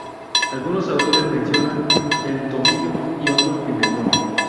Algunos autores mencionan el tomillo, y otros pimentón.